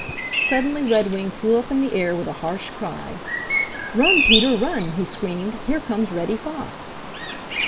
Suddenly Redwing flew up in the air with a harsh cry. "Run, Peter! Run!" he screamed. "Here comes Reddy Fox!"